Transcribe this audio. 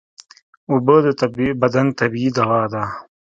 اوبه د بدن طبیعي دوا ده